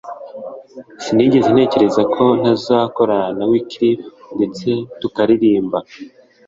sinigeze ntekereza ko nazakorana na Wyclef ndetse tukaririmba